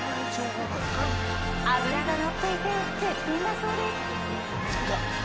脂が乗っていて絶品だそうです。